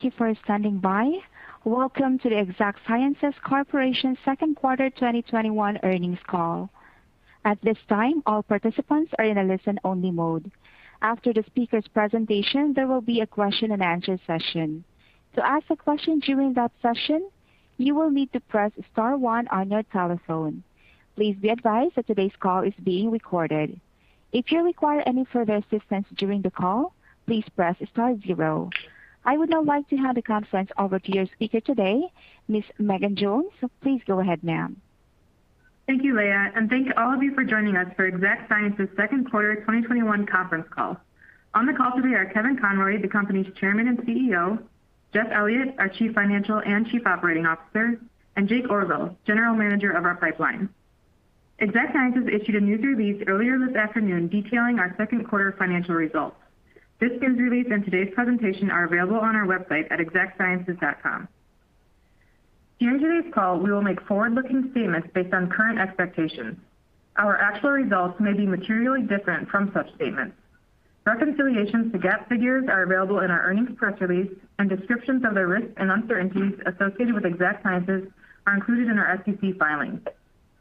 Thank you for standing by. Welcome to the Exact Sciences Corporation second quarter 2021 earnings call. I would now like to hand the conference over to your speaker today, Ms. Megan Jones. Please go ahead, ma'am. Thank you, Leah, and thank all of you for joining us for Exact Sciences second quarter 2021 conference call. On the call today are Kevin Conroy, the company's Chairman and CEO, Jeff Elliott, our Chief Financial and Chief Operating Officer, and Jake Orville, General Manager of our pipeline. Exact Sciences issued a news release earlier this afternoon detailing our second quarter financial results. This news release and today's presentation are available on our website at exactsciences.com. During today's call, we will make forward-looking statements based on current expectations. Our actual results may be materially different from such statements. Reconciliations to GAAP figures are available in our earnings press release, and descriptions of the risks and uncertainties associated with Exact Sciences are included in our SEC filings.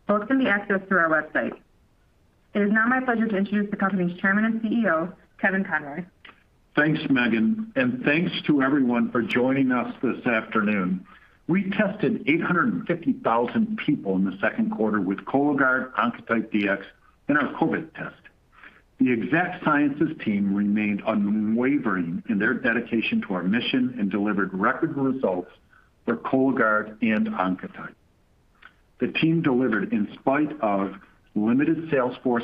Both can be accessed through our website. It is now my pleasure to introduce the company's Chairman and CEO, Kevin Conroy. Thanks, Megan, and thanks to everyone for joining us this afternoon. We tested 850,000 people in the second quarter with Cologuard, Oncotype DX, and our COVID test. The Exact Sciences team remained unwavering in their dedication to our mission and delivered record results for Cologuard and Oncotype. The team delivered in spite of limited sales force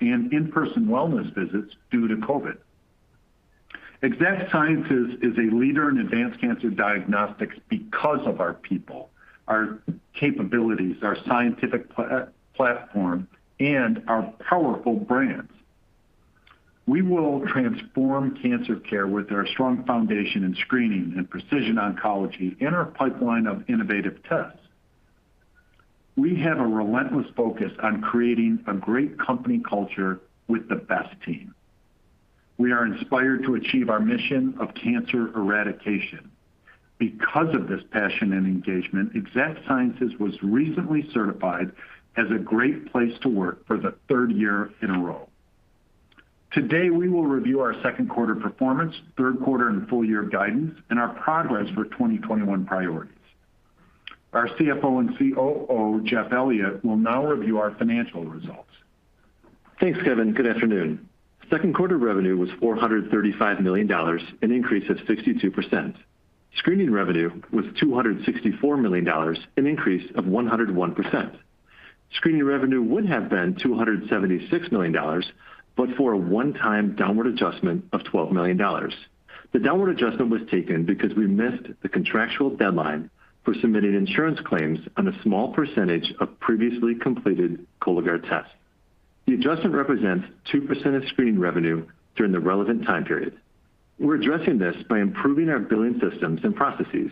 and in-person wellness visits due to COVID. Exact Sciences is a leader in advanced cancer diagnostics because of our people, our capabilities, our scientific platform, and our powerful brands. We will transform cancer care with our strong foundation in screening and precision oncology and our pipeline of innovative tests. We have a relentless focus on creating a great company culture with the best team. We are inspired to achieve our mission of cancer eradication. Because of this passion and engagement, Exact Sciences was recently certified as a great place to work for the third year in a row. Today, we will review our second quarter performance, third quarter and full-year guidance, and our progress for 2021 priorities. Our CFO and COO, Jeff Elliott, will now review our financial results. Thanks, Kevin. Good afternoon. Second quarter revenue was $435 million, an increase of 62%. Screening revenue was $264 million, an increase of 101%. Screening revenue would have been $276 million, but for a one-time downward adjustment of $12 million. The downward adjustment was taken because we missed the contractual deadline for submitting insurance claims on a small percentage of previously completed Cologuard tests. The adjustment represents 2% of screening revenue during the relevant time period. We're addressing this by improving our billing systems and processes,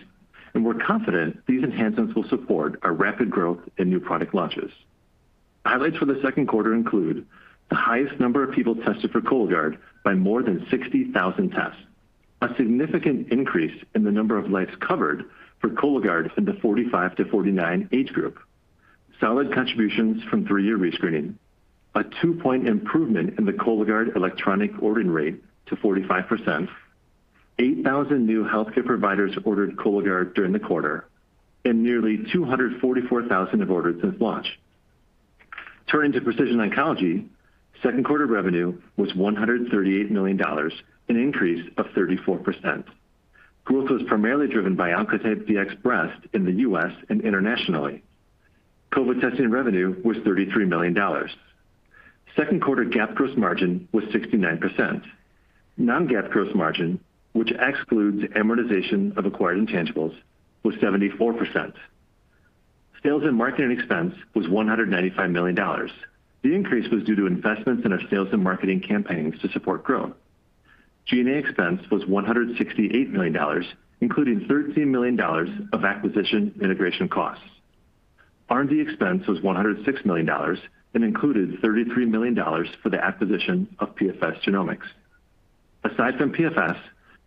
and we're confident these enhancements will support our rapid growth and new product launches. Highlights for the second quarter include the highest number of people tested for Cologuard by more than 60,000 tests, a significant increase in the number of lives covered for Cologuard in the 45 to 49 age group, solid contributions from 3-year rescreening, a 2-point improvement in the Cologuard electronic ordering rate to 45%, 8,000 new healthcare providers ordered Cologuard during the quarter, and nearly 244,000 have ordered since launch. Turning to precision oncology, second quarter revenue was $138 million, an increase of 34%. Growth was primarily driven by Oncotype DX Breast in the U.S. and internationally. COVID testing revenue was $33 million. Second quarter GAAP gross margin was 69%. Non-GAAP gross margin, which excludes amortization of acquired intangibles, was 74%. Sales and marketing expense was $195 million. The increase was due to investments in our sales and marketing campaigns to support growth. G&A expense was $168 million, including $13 million of acquisition integration costs. R&D expense was $106 million and included $33 million for the acquisition of PFS Genomics. Aside from PFS,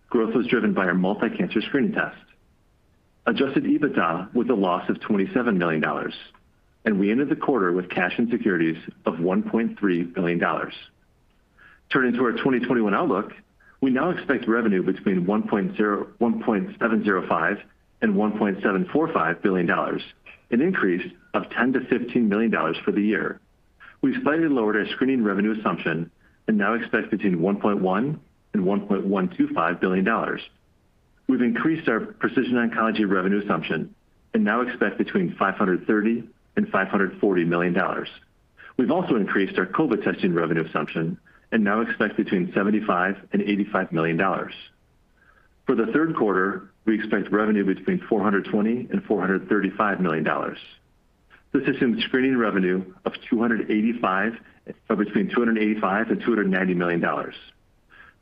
growth was driven by our multi-cancer screening test. Adjusted EBITDA was a loss of $27 million, and we ended the quarter with cash and securities of $1.3 billion. Turning to our 2021 outlook, we now expect revenue between $1.705 billion-$1.745 billion, an increase of $10 million-$15 million for the year. We've slightly lowered our screening revenue assumption and now expect between $1.1 billion-$1.125 billion. We've increased our precision oncology revenue assumption and now expect between $530 million-$540 million. We've also increased our COVID testing revenue assumption and now expect between $75 million-$85 million. For the third quarter, we expect revenue between $420 million-$435 million. This assumes screening revenue of between $285 million and $290 million,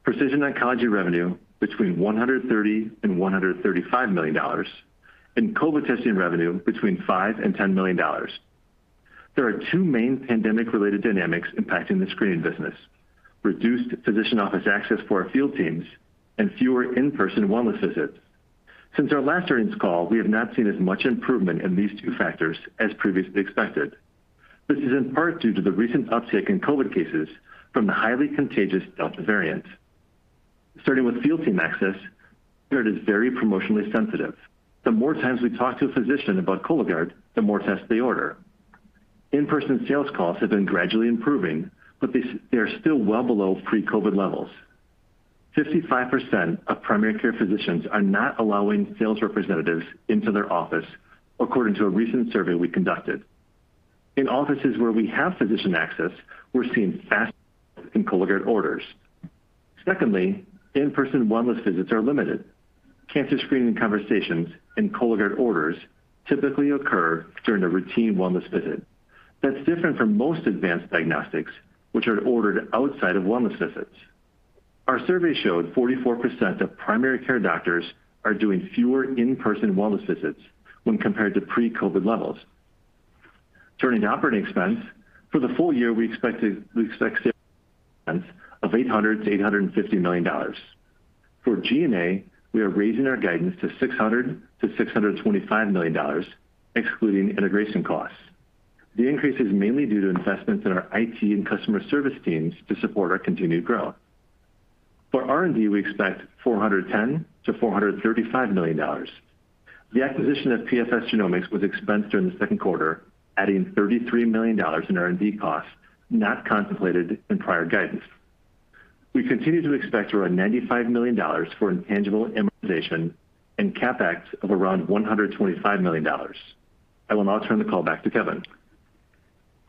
precision oncology revenue between $130 million and $135 million, and COVID testing revenue between $5 million and $10 million. There are two main pandemic-related dynamics impacting the screening business: reduced physician office access for our field teams and fewer in-person wellness visits. Since our last earnings call, we have not seen as much improvement in these two factors as previously expected. This is in part due to the recent uptick in COVID cases from the highly contagious Delta variant. Starting with field team access, it is very promotionally sensitive. The more times we talk to a physician about Cologuard, the more tests they order. In-person sales calls have been gradually improving, but they are still well below pre-COVID levels. 55% of primary care physicians are not allowing sales representatives into their office, according to a recent survey we conducted. In offices where we have physician access, we're seeing fast in Cologuard orders. In-person wellness visits are limited. Cancer screening conversations and Cologuard orders typically occur during a routine wellness visit. That's different from most advanced diagnostics, which are ordered outside of wellness visits. Our survey showed 44% of primary care doctors are doing fewer in-person wellness visits when compared to pre-COVID levels. Turning to operating expense, for the full year, we expect to see of $800 million-$850 million. For G&A, we are raising our guidance to $600 million-$625 million, excluding integration costs. The increase is mainly due to investments in our IT and customer service teams to support our continued growth. For R&D, we expect $410 million-$435 million. The acquisition of PFS Genomics was expensed during the second quarter, adding $33 million in R&D costs not contemplated in prior guidance. We continue to expect around $95 million for intangible amortization and CapEx of around $125 million. I will now turn the call back to Kevin.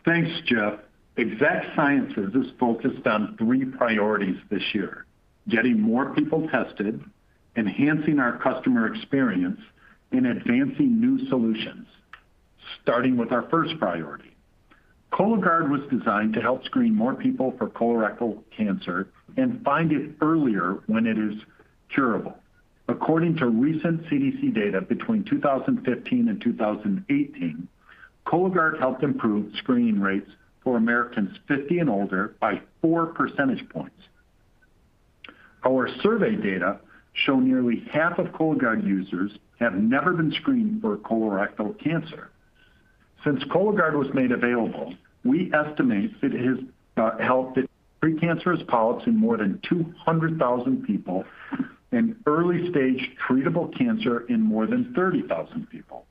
Thanks, Jeff. Exact Sciences is focused on 3 priorities this year: getting more people tested, enhancing our customer experience, and advancing new solutions. Starting with our 1st priority. Cologuard was designed to help screen more people for colorectal cancer and find it earlier when it is curable. According to recent CDC data, between 2015 and 2018, Cologuard helped improve screening rates for Americans 50 and older by 4 percentage points. Our survey data show nearly half of Cologuard users have never been screened for colorectal cancer. Since Cologuard was made available, we estimate it has helped detect precancerous polyps in more than 200,000 people and early-stage treatable cancer in more than 30,000 people.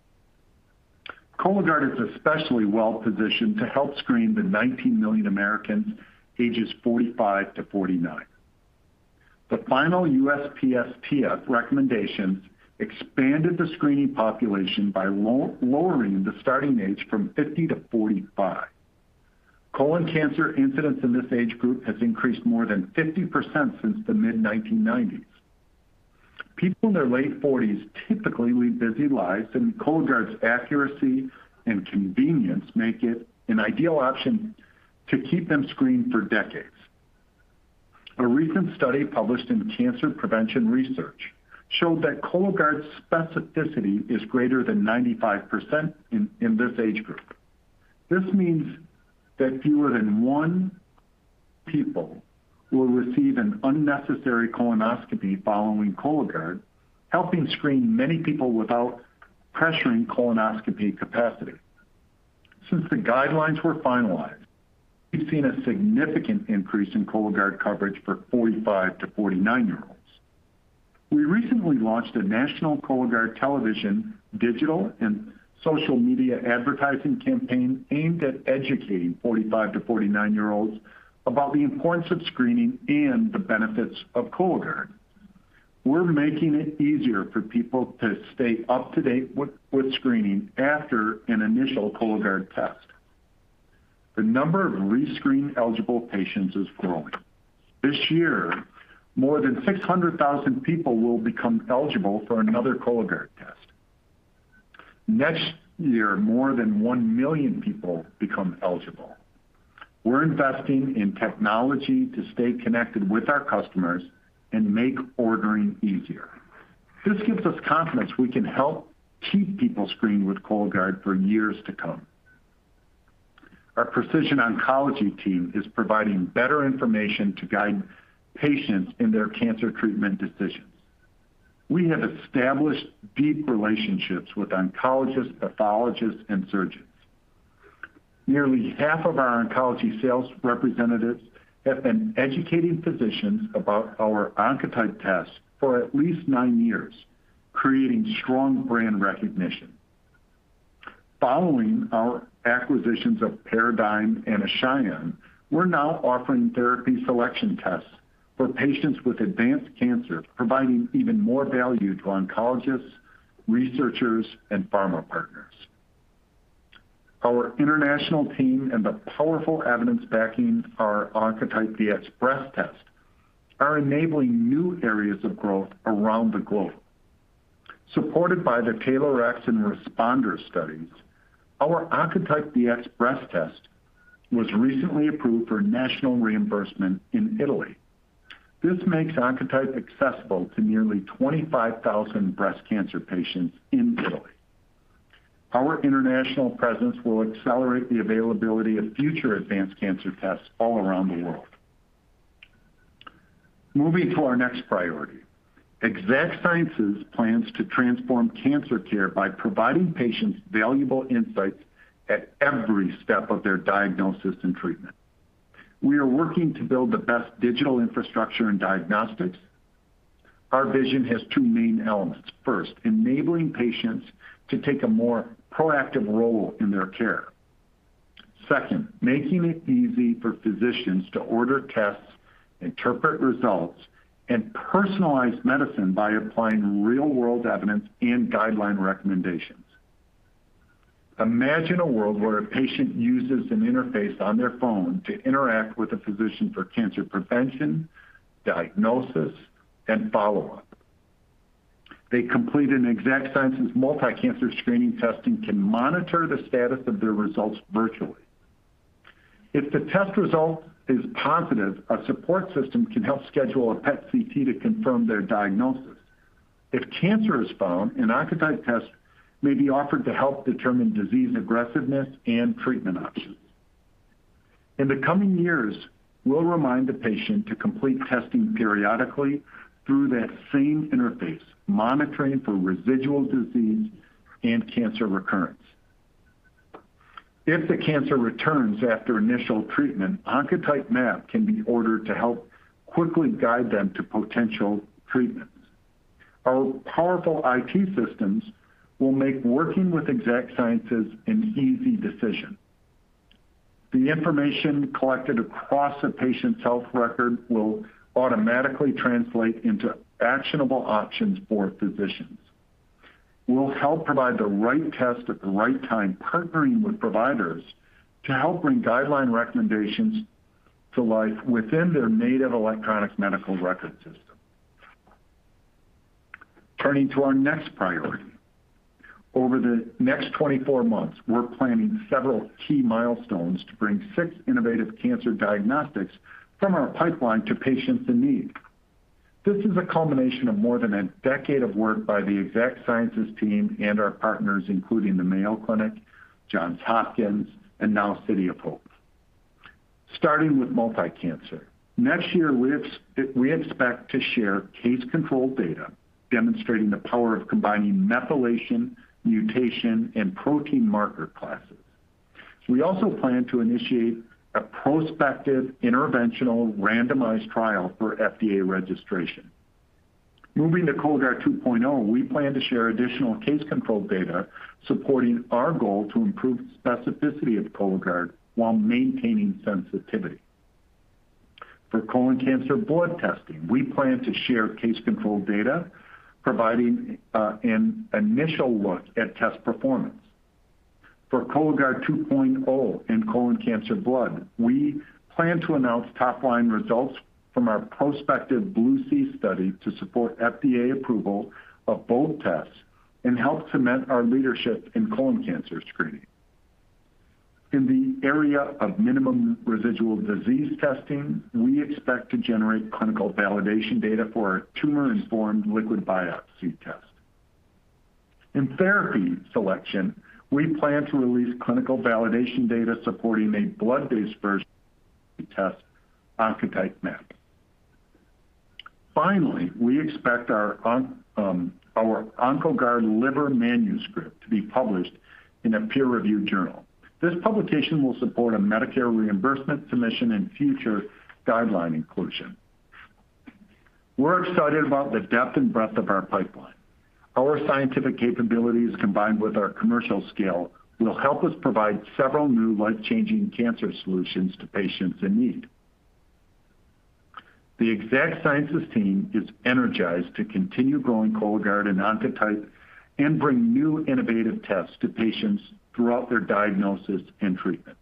Cologuard is especially well-positioned to help screen the 19 million Americans ages 45-49. The final USPSTF recommendations expanded the screening population by lowering the starting age from 50-45. Colon cancer incidence in this age group has increased more than 50% since the mid-1990s. People in their late 40s typically lead busy lives, and Cologuard's accuracy and convenience make it an ideal option to keep them screened for decades. A recent study published in Cancer Prevention Research showed that Cologuard's specificity is greater than 95% in this age group. This means that fewer than one people will receive an unnecessary colonoscopy following Cologuard, helping screen many people without pressuring colonoscopy capacity. Since the guidelines were finalized, we've seen a significant increase in Cologuard coverage for 45 to 49-year-olds. We recently launched a national Cologuard television, digital, and social media advertising campaign aimed at educating 45 to 49-year-olds about the importance of screening and the benefits of Cologuard. We're making it easier for people to stay up to date with screening after an initial Cologuard test. The number of rescreen eligible patients is growing. This year, more than 600,000 people will become eligible for another Cologuard test. Next year, more than 1 million people become eligible. We're investing in technology to stay connected with our customers and make ordering easier. This gives us confidence we can help keep people screened with Cologuard for years to come. Our precision oncology team is providing better information to guide patients in their cancer treatment decisions. We have established deep relationships with oncologists, pathologists, and surgeons. Nearly half of our oncology sales representatives have been educating physicians about our Oncotype test for at least 9 years, creating strong brand recognition. Following our acquisitions of Paradigm and Ashion, we're now offering therapy selection tests for patients with advanced cancer, providing even more value to oncologists, researchers, and pharma partners. Our international team and the powerful evidence backing our Oncotype DX Breast test are enabling new areas of growth around the globe. Supported by the TAILORx and RxPONDER studies, our Oncotype DX Breast test was recently approved for national reimbursement in Italy. This makes Oncotype accessible to nearly 25,000 breast cancer patients in Italy. Our international presence will accelerate the availability of future advanced cancer tests all around the world. Moving to our next priority. Exact Sciences plans to transform cancer care by providing patients valuable insights at every step of their diagnosis and treatment. We are working to build the best digital infrastructure in diagnostics. Our vision has two main elements. First, enabling patients to take a more proactive role in their care. Second, making it easy for physicians to order tests, interpret results, and personalize medicine by applying real-world evidence and guideline recommendations. Imagine a world where a patient uses an interface on their phone to interact with a physician for cancer prevention, diagnosis, and follow-up. They complete an Exact Sciences multi-cancer screening testing can monitor the status of their results virtually. If the test result is positive, a support system can help schedule a PET-CT to confirm their diagnosis. If cancer is found, an Oncotype test may be offered to help determine disease aggressiveness and treatment options. In the coming years, we'll remind the patient to complete testing periodically through that same interface, monitoring for residual disease and cancer recurrence. If the cancer returns after initial treatment, Oncotype MAP can be ordered to help quickly guide them to potential treatments. Our powerful IT systems will make working with Exact Sciences an easy decision. The information collected across a patient's health record will automatically translate into actionable options for physicians. We'll help provide the right test at the right time, partnering with providers to help bring guideline recommendations to life within their native electronic medical record system. Turning to our next priority. Over the next 24 months, we're planning several key milestones to bring 6 innovative cancer diagnostics from our pipeline to patients in need. This is a culmination of more than 1 decade of work by the Exact Sciences team and our partners, including the Mayo Clinic, Johns Hopkins, and now City of Hope. Starting with multi-cancer. Next year, we expect to share case-control data demonstrating the power of combining methylation, mutation, and protein marker classes. We also plan to initiate a prospective interventional randomized trial for FDA registration. Moving to Cologuard 2.0, we plan to share additional case-control data supporting our goal to improve specificity of Cologuard while maintaining sensitivity. For colon cancer blood testing, we plan to share case-control data providing an initial look at test performance. For Cologuard 2.0 and colon cancer blood, we plan to announce top-line results from our prospective BLUE-C study to support FDA approval of both tests and help cement our leadership in colon cancer screening. In the area of minimum residual disease testing, we expect to generate clinical validation data for our tumor-informed liquid biopsy test. In therapy selection, we plan to release clinical validation data supporting a blood-based version test, Oncotype MAP. Finally, we expect our Oncoguard Liver manuscript to be published in a peer-reviewed journal. This publication will support a Medicare reimbursement submission and future guideline inclusion. We're excited about the depth and breadth of our pipeline. Our scientific capabilities, combined with our commercial scale, will help us provide several new life-changing cancer solutions to patients in need. The Exact Sciences team is energized to continue growing Cologuard and Oncotype and bring new innovative tests to patients throughout their diagnosis and treatment.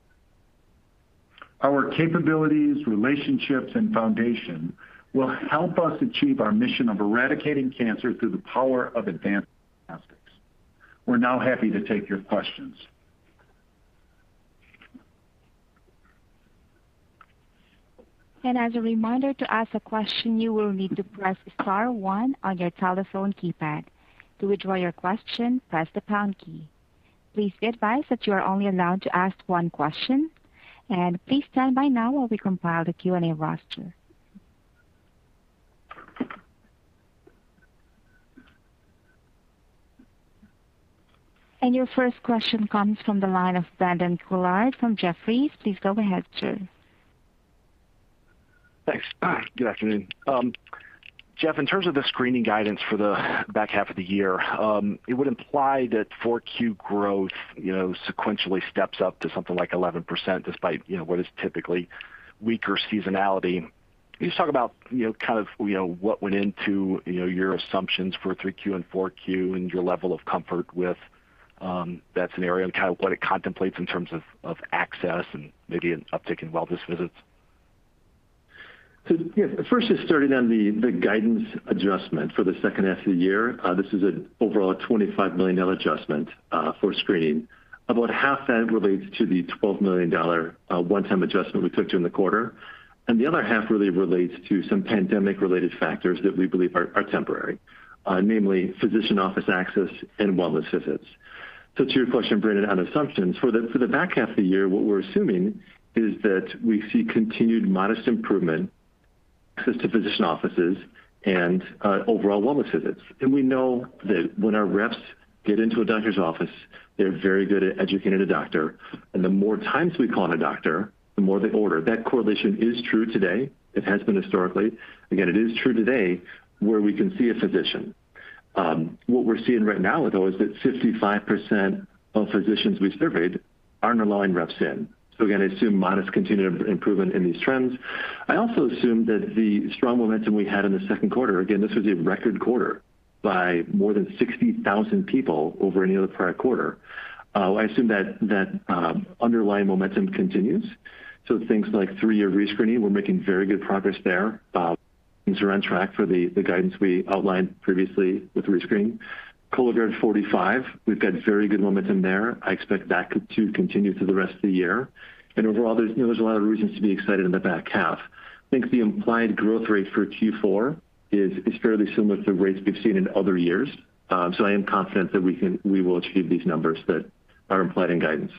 Our capabilities, relationships, and foundation will help us achieve our mission of eradicating cancer through the power of advanced diagnostics. We're now happy to take your questions. Your first question comes from the line of Brandon Couillard from Jefferies. Please go ahead, sir. Thanks. Good afternoon. Jeff, in terms of the screening guidance for the back half of the year, it would imply that 4Q growth sequentially steps up to something like 11%, despite what is typically weaker seasonality. Can you just talk about what went into your assumptions for 3Q and 4Q and your level of comfort with that scenario and what it contemplates in terms of access and maybe an uptick in wellness visits? Yeah. First, just starting on the guidance adjustment for the second half of the year. This is an overall $25 million adjustment for screening. About half that relates to the $12 million one-time adjustment we took during the quarter. The other half really relates to some pandemic-related factors that we believe are temporary. Namely, physician office access and wellness visits. To your question, Brandon, on assumptions, for the back half of the year, what we're assuming is that we see continued modest improvement access to physician offices and overall wellness visits. We know that when our reps get into a doctor's office, they're very good at educating a doctor, and the more times we call on a doctor, the more they order. That correlation is true today. It has been historically. Again, it is true today where we can see a physician. What we're seeing right now, though, is that 55% of physicians we surveyed aren't allowing reps in. Again, I assume modest continued improvement in these trends. I also assume that the strong momentum we had in the second quarter, again, this was a record quarter by more than 60,000 people over any other prior quarter. I assume that underlying momentum continues. Things like 3-year rescreening, we're making very good progress there. Things are on track for the guidance we outlined previously with rescreening. Cologuard 45, we've got very good momentum there. I expect that to continue through the rest of the year. Overall, there's a lot of reasons to be excited in the back half. I think the implied growth rate for Q4 is fairly similar to the rates we've seen in other years. I am confident that we will achieve these numbers that are implied in guidance.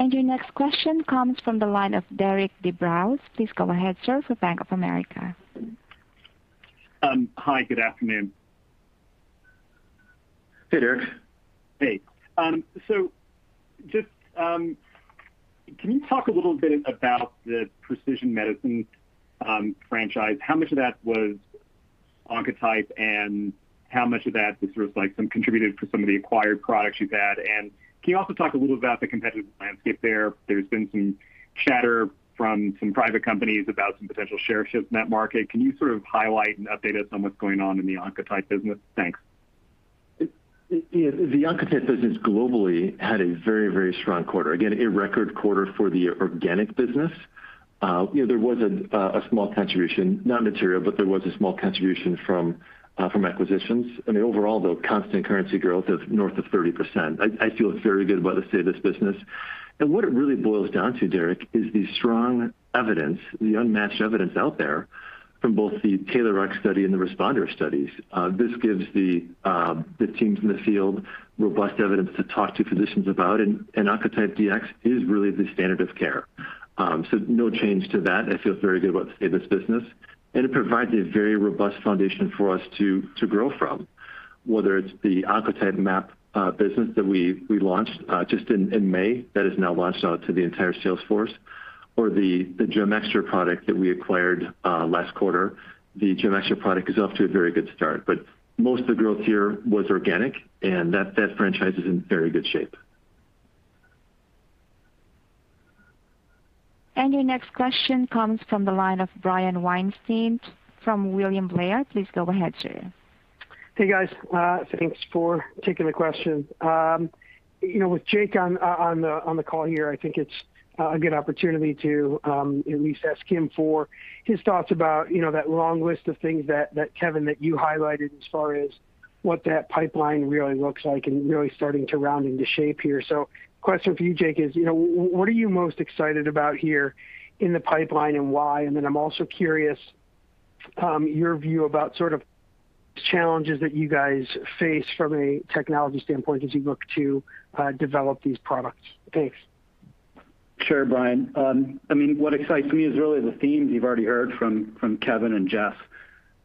Your next question comes from the line of Derik De Bruin. Please go ahead, sir, for Bank of America. Hi, good afternoon. Hey, Derik. Hey. Just can you talk a little bit about the precision medicine franchise? How much of that was Oncotype and how much of that was sort of like some contributed for some of the acquired products you've had? Can you also talk a little about the competitive landscape there? There's been some chatter from some private companies about some potential share shifts in that market. Can you sort of highlight and update us on what's going on in the Oncotype business? Thanks. The Oncotype business globally had a very, very strong quarter. Again, a record quarter for the organic business. There was a small contribution, not material, but there was a small contribution from acquisitions. I mean, overall, though, constant currency growth of north of 30%. I feel very good about the state of this business. What it really boils down to, Derik, is the strong evidence, the unmatched evidence out there from both the TAILORx study and the RxPONDER studies. This gives the teams in the field robust evidence to talk to physicians about, Oncotype DX is really the standard of care. No change to that. I feel very good about the state of this business, and it provides a very robust foundation for us to grow from, whether it's the Oncotype MAP business that we launched just in May, that is now launched out to the entire sales force, or the OncoExTra product that we acquired last quarter. The OncoExTra product is off to a very good start. Most of the growth here was organic, and that franchise is in very good shape. Your next question comes from the line of Brian Weinstein from William Blair. Please go ahead, sir. Hey, guys. Thanks for taking the question. With Jake on the call here, I think it's a good opportunity to at least ask him for his thoughts about that long list of things that, Kevin, that you highlighted as far as what that pipeline really looks like and really starting to round into shape here. Question for you, Jake, is what are you most excited about here in the pipeline and why? I'm also curious your view about sort of challenges that you guys face from a technology standpoint as you look to develop these products. Thanks. Sure, Brian. I mean, what excites me is really the themes you've already heard from Kevin and Jeff.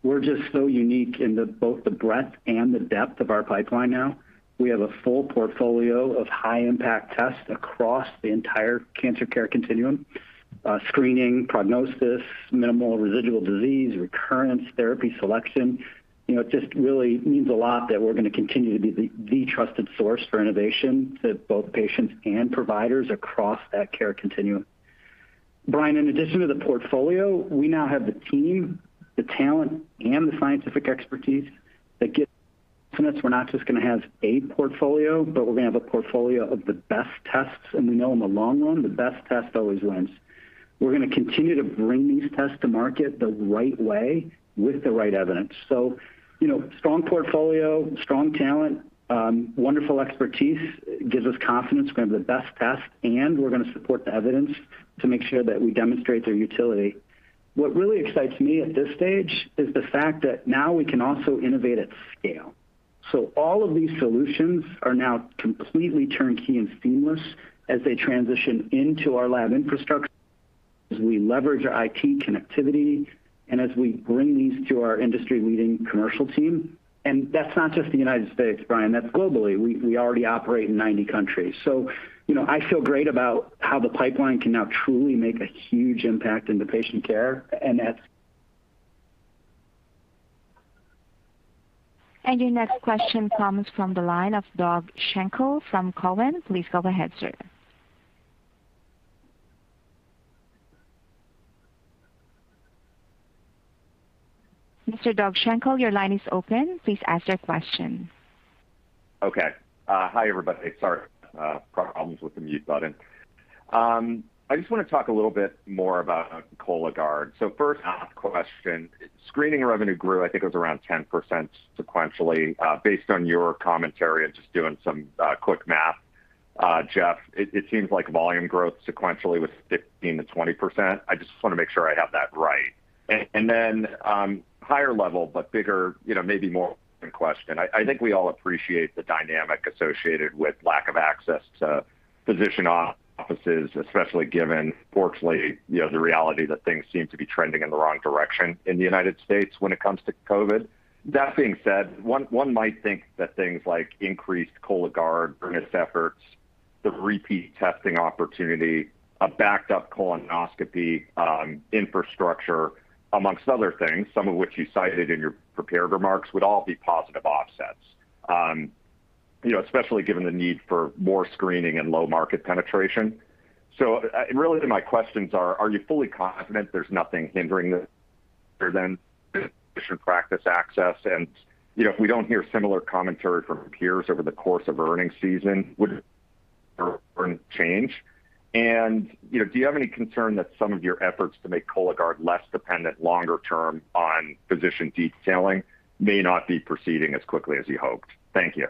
We're just so unique in both the breadth and the depth of our pipeline now. We have a full portfolio of high-impact tests across the entire cancer care continuum. Screening, prognosis, minimal residual disease, recurrence, therapy selection. It just really means a lot that we're going to continue to be the trusted source for innovation to both patients and providers across that care continuum. Brian, in addition to the portfolio, we now have the team, the talent, and the scientific expertise that get us. We're not just going to have a portfolio, but we're going to have a portfolio of the best tests, and we know in the long run, the best test always wins. We're going to continue to bring these tests to market the right way with the right evidence. Strong portfolio, strong talent, wonderful expertise gives us confidence we're going to have the best test, and we're going to support the evidence to make sure that we demonstrate their utility. What really excites me at this stage is the fact that now we can also innovate at scale. All of these solutions are now completely turnkey and seamless as they transition into our lab infrastructure, as we leverage our IT connectivity and as we bring these to our industry-leading commercial team. That's not just the United States, Brian, that's globally. We already operate in 90 countries. I feel great about how the pipeline can now truly make a huge impact into patient care. Your next question comes from the line of Doug Schenkel from Cowen. Please go ahead, sir. Mr. Doug Schenkel, your line is open. Please ask your question. Okay. Hi, everybody. Sorry. Problems with the mute button. I just want to talk a little bit more about Cologuard. First-half question, screening revenue grew, I think it was around 10% sequentially. Based on your commentary and just doing some quick math, Jeff, it seems like volume growth sequentially was 15%-20%. I just want to make sure I have that right. Higher-level, but bigger, maybe more open question. I think we all appreciate the dynamic associated with lack of access to physician offices, especially given, fortunately, the reality that things seem to be trending in the wrong direction in the U.S. when it comes to COVID. That being said, one might think that things like increased Cologuard efforts, the repeat testing opportunity, a backed-up colonoscopy infrastructure, amongst other things, some of which you cited in your prepared remarks, would all be positive offsets. Especially given the need for more screening and low market penetration. Really, my questions are you fully confident there's nothing hindering this other than physician practice access? If we don't hear similar commentary from peers over the course of earnings season, would earnings change? Do you have any concern that some of your efforts to make Cologuard less dependent longer term on physician detailing may not be proceeding as quickly as you hoped? Thank you.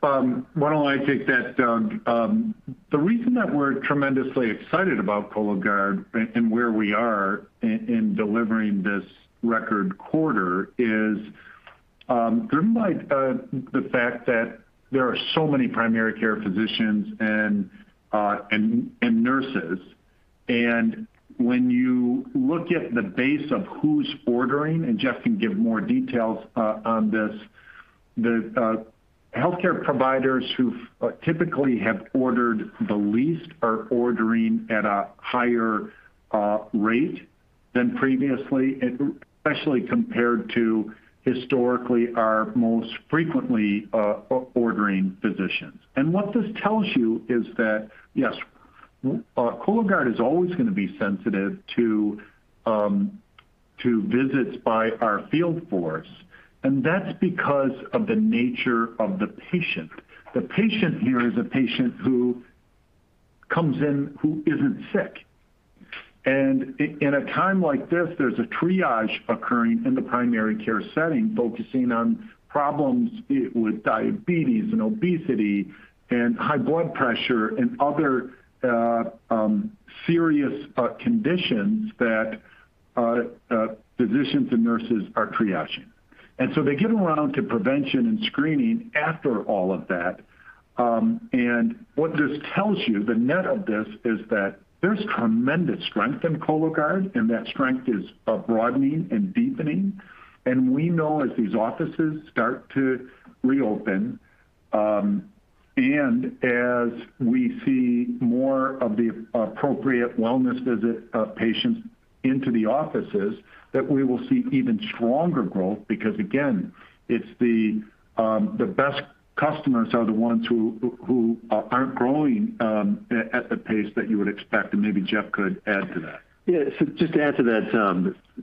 Why don't I take that, Doug? The reason that we're tremendously excited about Cologuard and where we are in delivering this record quarter is driven by the fact that there are so many primary care physicians and nurses. When you look at the base of who's ordering, Jeff can give more details on this, the healthcare providers who typically have ordered the least are ordering at a higher rate than previously, especially compared to historically our most frequently ordering physicians. What this tells you is that, yes, Cologuard is always going to be sensitive to visits by our field force, and that's because of the nature of the patient. The patient here is a patient who comes in who isn't sick. In a time like this, there's a triage occurring in the primary care setting focusing on problems with diabetes and obesity and high blood pressure and other serious conditions that physicians and nurses are triaging. They get around to prevention and screening after all of that. What this tells you, the net of this is that there's tremendous strength in Cologuard, and that strength is broadening and deepening. We know as these offices start to reopen, and as we see more of the appropriate wellness visit patients into the offices, that we will see even stronger growth because again, it's the best customers are the ones who aren't growing at the pace that you would expect. Maybe Jeff could add to that. Yeah. Just to add to that.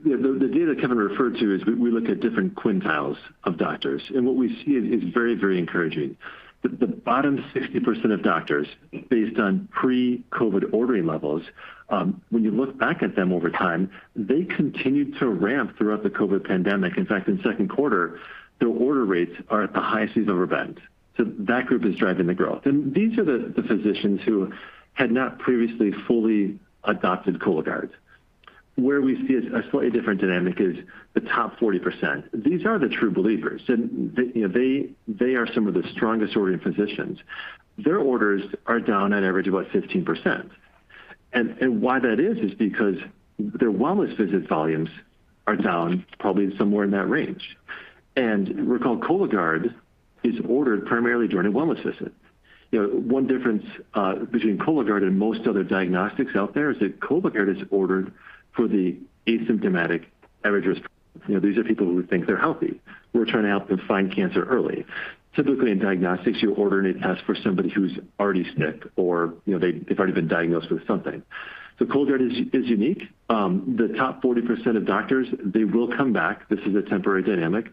The data Kevin referred to is we look at different quintiles of doctors, and what we see is very encouraging. The bottom 60% of doctors, based on pre-COVID ordering levels, when you look back at them over time, they continued to ramp throughout the COVID pandemic. In fact, in second quarter, their order rates are at the highest they've ever been. That group is driving the growth. These are the physicians who had not previously fully adopted Cologuard. Where we see a slightly different dynamic is the top 40%. These are the true believers. They are some of the strongest ordering physicians. Their orders are down on average about 15%. Why that is because their wellness visit volumes are down probably somewhere in that range. Recall, Cologuard is ordered primarily during a wellness visit. One difference between Cologuard and most other diagnostics out there is that Cologuard is ordered for the asymptomatic average risk. These are people who think they're healthy. We're trying to help them find cancer early. Typically, in diagnostics, you're ordering a test for somebody who's already sick or they've already been diagnosed with something. Cologuard is unique. The top 40% of doctors, they will come back. This is a temporary dynamic.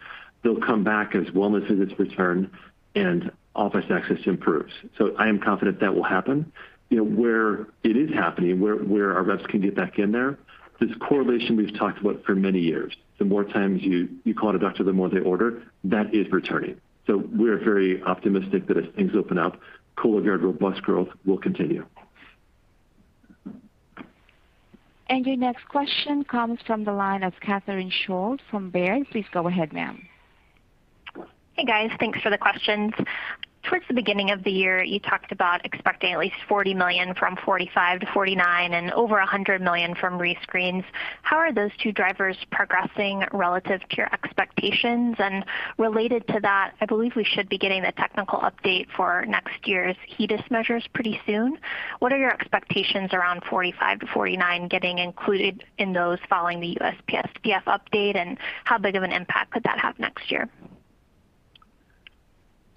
They'll come back as wellness visits return and office access improves. I am confident that will happen. Where it is happening, where our reps can get back in there, this correlation we've talked about for many years. The more times you call a doctor, the more they order. That is returning. We're very optimistic that as things open up, Cologuard robust growth will continue. Your next question comes from the line of Catherine Schulte from Baird. Please go ahead, ma'am. Hey, guys. Thanks for the questions. Towards the beginning of the year, you talked about expecting at least $40 million from 45-49 and over $100 million from rescreens. How are those two drivers progressing relative to your expectations? Related to that, I believe we should be getting the technical update for next year's HEDIS measures pretty soon. What are your expectations around 45-49 getting included in those following the USPSTF update, and how big of an impact could that have next year?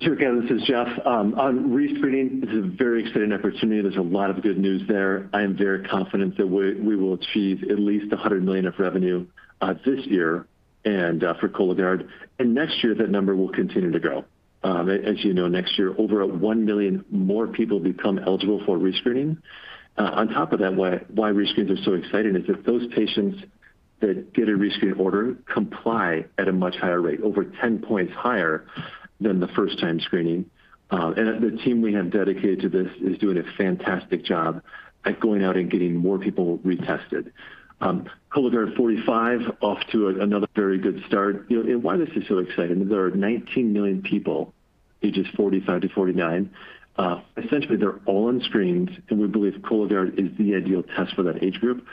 Sure, Catherine, this is Jeff. On rescreening, this is a very exciting opportunity. There's a lot of good news there. I am very confident that we will achieve at least $100 million of revenue this year and for Cologuard. Next year, that number will continue to grow. As you know, next year over 1 million more people become eligible for rescreening. On top of that, why rescreens are so exciting is if those patients that get a rescreen order comply at a much higher rate, over 10 points higher than the first-time screening. The team we have dedicated to this is doing a fantastic job at going out and getting more people retested. Cologuard 45 off to another very good start. Why this is so exciting is there are 19 million people ages 45 -49. Essentially they're all unscreened, and we believe Cologuard is the ideal test for that age group.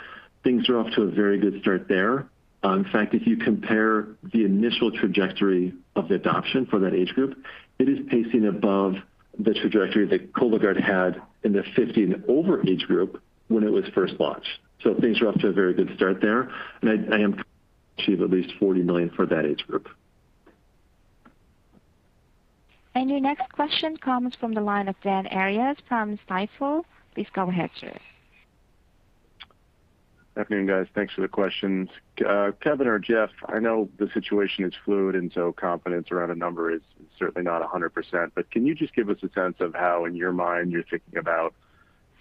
Things are off to a very good start there. In fact, if you compare the initial trajectory of the adoption for that age group, it is pacing above the trajectory that Cologuard had in the 50 and over age group when it was first launched. Things are off to a very good start there, and I am achieve at least 40 million for that age group. Your next question comes from the line of Dan Arias from Stifel. Please go ahead, sir. Good evening, guys. Thanks for the questions. Kevin or Jeff, I know the situation is fluid, confidence around a number is certainly not 100%, can you just give us a sense of how, in your mind, you're thinking about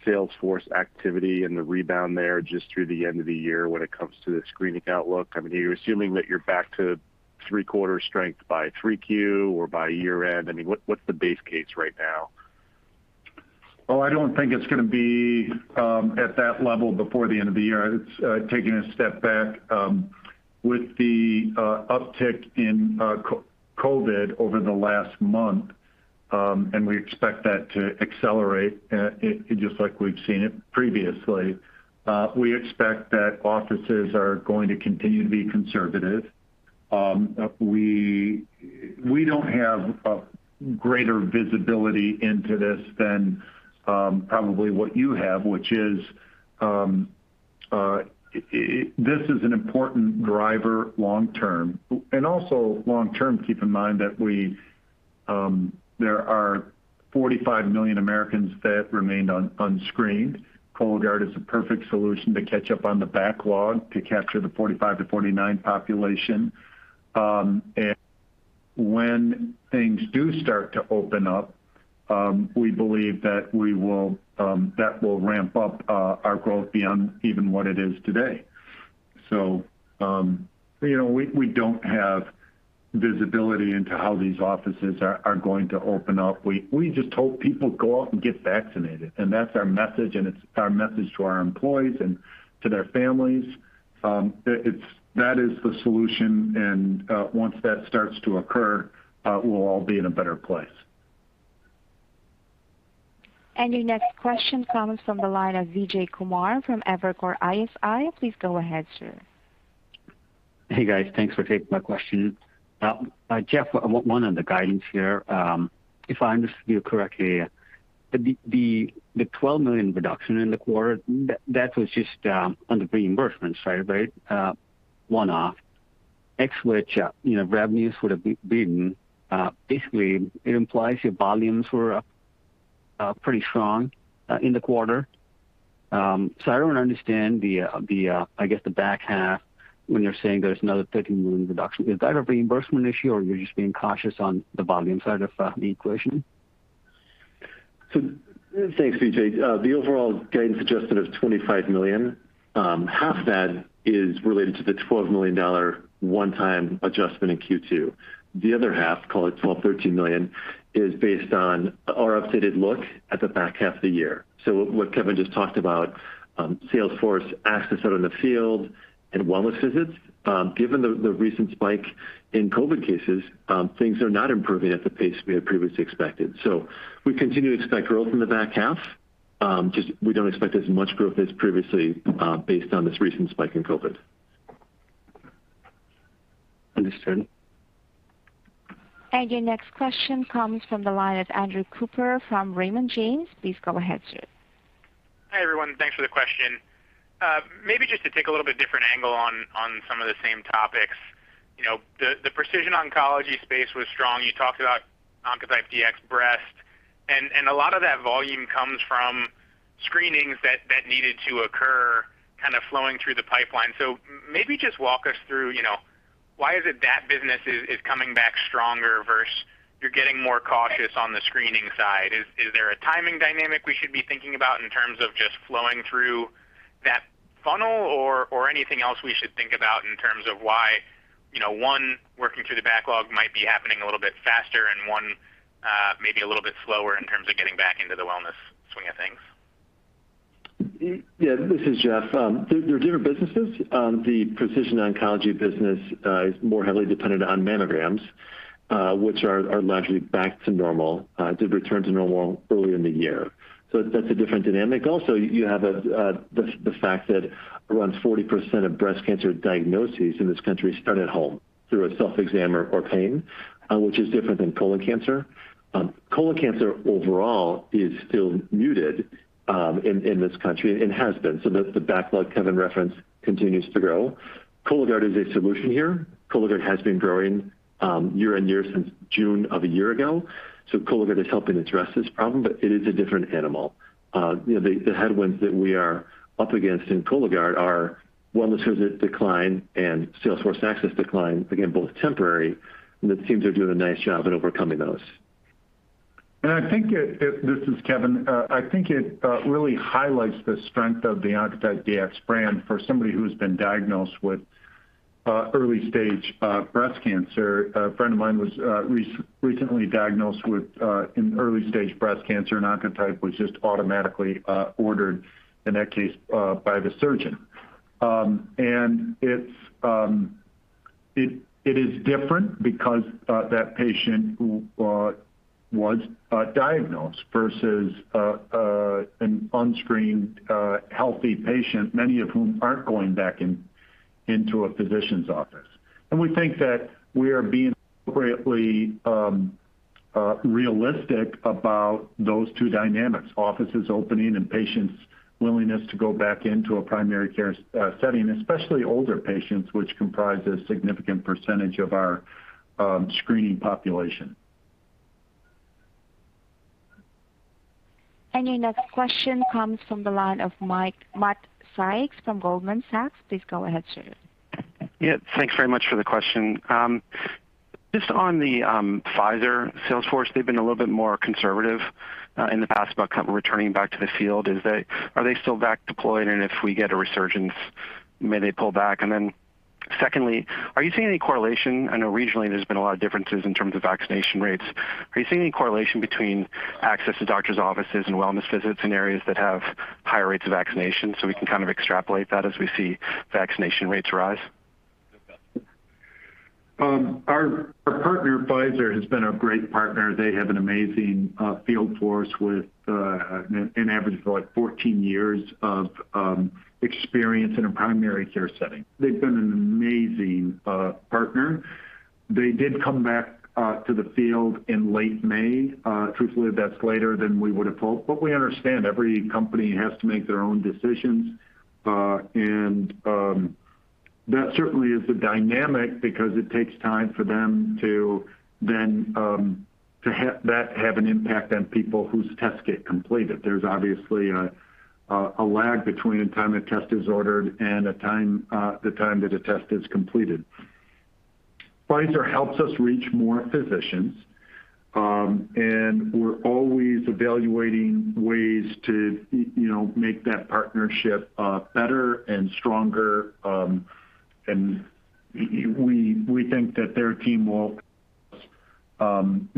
sales force activity and the rebound there just through the end of the year when it comes to the screening outlook? You're assuming that you're back to three-quarter strength by 3Q or by year-end. What's the base case right now? I don't think it's going to be at that level before the end of the year. It's taking a step back with the uptick in COVID over the last 1 month, we expect that to accelerate just like we've seen it previously. We expect that offices are going to continue to be conservative. We don't have a greater visibility into this than probably what you have, which is this is an important driver long term. Also long term, keep in mind that there are 45 million Americans that remained unscreened. Cologuard is a perfect solution to catch up on the backlog to capture the 45-49 population. When things do start to open up, we believe that will ramp up our growth beyond even what it is today. We don't have visibility into how these offices are going to open up. We just hope people go out and get vaccinated. That's our message, and it's our message to our employees and to their families. That is the solution, and once that starts to occur, we'll all be in a better place. Your next question comes from the line of Vijay Kumar from Evercore ISI. Please go ahead, sir. Hey, guys. Thanks for taking my question. Jeff, 1 on the guidance here. If I understood you correctly, the $12 million reduction in the quarter, that was just on the reimbursement side, right? One-off. Ex which revenues would have been basically it implies your volumes were up pretty strong in the quarter. I don't understand the back half when you're saying there's another $13 million reduction. Is that a reimbursement issue or you're just being cautious on the volume side of the equation? Thanks, Vijay. The overall guidance adjusted is $25 million. Half that is related to the $12 million one-time adjustment in Q2. The other half, call it $12 million, $13 million, is based on our updated look at the back half of the year. What Kevin just talked about, sales force assets out in the field and wellness visits. Given the recent spike in COVID cases, things are not improving at the pace we had previously expected. We continue to expect growth in the back half, just we don't expect as much growth as previously based on this recent spike in COVID. Understood. Your next question comes from the line of Andrew Cooper from Raymond James. Please go ahead, sir. Hi, everyone. Thanks for the question. Maybe just to take a little bit different angle on some of the same topics. The precision oncology space was strong. You talked about Oncotype DX Breast. A lot of that volume comes from screenings that needed to occur kind of flowing through the pipeline. Maybe just walk us through why is it that business is coming back stronger versus you're getting more cautious on the screening side. Is there a timing dynamic we should be thinking about in terms of just flowing through that funnel or anything else we should think about in terms of why one, working through the backlog might be happening a little bit faster and one maybe a little bit slower in terms of getting back into the wellness swing of things? This is Jeff. They're different businesses. The precision oncology business is more heavily dependent on mammograms, which are largely back to normal, did return to normal early in the year. That's a different dynamic. Also, you have the fact that around 40% of breast cancer diagnoses in this country start at home through a self-exam or pain, which is different than colon cancer. Colon cancer overall is still muted in this country and has been. The backlog Kevin referenced continues to grow. Cologuard is a solution here. Cologuard has been growing year-on-year since June of a year ago. Cologuard is helping address this problem, but it is a different animal. The headwinds that we are up against in Cologuard are wellness visit decline and sales force access decline, again, both temporary, and the teams are doing a nice job at overcoming those. This is Kevin. I think it really highlights the strength of the Oncotype DX brand for somebody who has been diagnosed with early-stage breast cancer. A friend of mine was recently diagnosed with an early-stage breast cancer, and Oncotype was just automatically ordered in that case by the surgeon. It is different because that patient who was diagnosed versus an unscreened healthy patient, many of whom aren't going back into a physician's office. We think that we are being appropriately realistic about those two dynamics, offices opening and patients' willingness to go back into a primary care setting, especially older patients, which comprise a significant percentage of our screening population. Your next question comes from the line of Matt Sykes from Goldman Sachs. Please go ahead, sir. Yeah. Thanks very much for the question. Just on the Pfizer sales force, they've been a little bit more conservative in the past about returning back to the field. Are they still back deployed? If we get a resurgence, may they pull back? Secondly, are you seeing any correlation, I know regionally there's been a lot of differences in terms of vaccination rates. Are you seeing any correlation between access to doctors' offices and wellness visits in areas that have higher rates of vaccination, so we can kind of extrapolate that as we see vaccination rates rise? Our partner, Pfizer, has been a great partner. They have an amazing field force with an average of 14 years of experience in a primary care setting. They've been an amazing partner. They did come back to the field in late May. Truthfully, that's later than we would've hoped, but we understand every company has to make their own decisions. That certainly is a dynamic because it takes time for that to have an impact on people whose tests get completed. There's obviously a lag between the time a test is ordered and the time that a test is completed. Pfizer helps us reach more physicians. We're always evaluating ways to make that partnership better and stronger. We think that their team will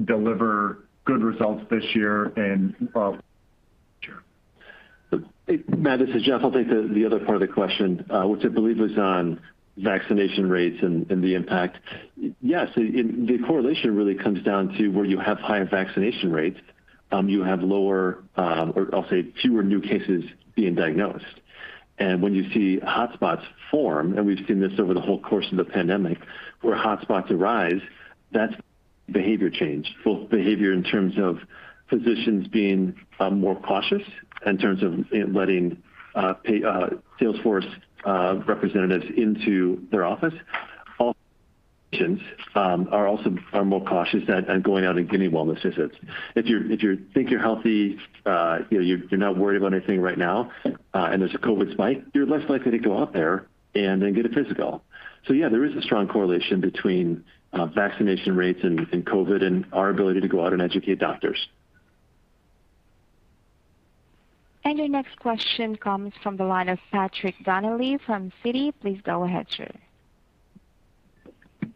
deliver good results this year and next year. Matt, this is Jeff. I'll take the other part of the question, which I believe was on vaccination rates and the impact. Yes, the correlation really comes down to where you have higher vaccination rates, you have lower, or I'll say fewer new cases being diagnosed. When you see hotspots form, and we've seen this over the whole course of the pandemic, where hotspots arise, that's behavior change. Both behavior in terms of physicians being more cautious in terms of letting sales force representatives into their office. Patients are also more cautious on going out and getting wellness visits. If you think you're healthy, you're not worried about anything right now, and there's a COVID spike, you're less likely to go out there and then get a physical. Yeah, there is a strong correlation between vaccination rates and COVID and our ability to go out and educate doctors. Your next question comes from the line of Patrick Donnelly from Citi. Please go ahead, sir.